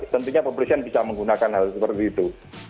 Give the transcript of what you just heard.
tentunya kepolisian bisa menggunakan hal seperti itu